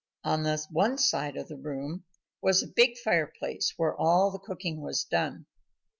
On one side of the room was the big fireplace where all the cooking was done.